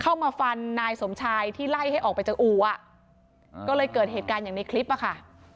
เข้ามาฟันนายสมชายที่ไล่ให้ออกไปจากอู่อ่ะก็เลยเกิดเหตุการณ์อย่างในคลิปอะค่ะ